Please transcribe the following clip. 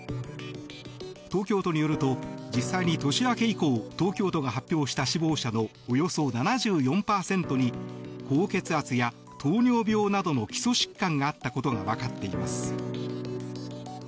東京都によると実際に年明け以降東京都が発表した死亡者のおよそ７４％に高血圧や糖尿病などの基礎疾患があったことが分かっています。